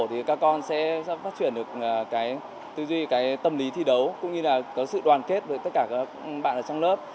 thì các con sẽ phát triển được cái tư duy cái tâm lý thi đấu cũng như là có sự đoàn kết với tất cả các bạn ở trong lớp